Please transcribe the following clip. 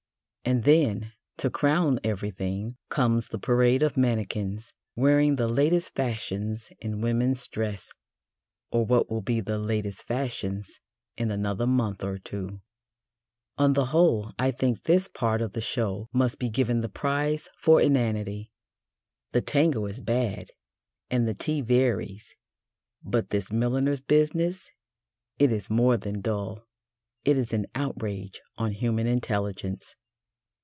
And then, to crown everything, comes the parade of mannequins wearing the latest fashions in women's dress, or what will be the latest fashions in another month or two. On the whole I think this part of the show must be given the prize for inanity. The Tango is bad, and the tea varies, but this milliner's business it is more than dull, it is an outrage on human intelligence.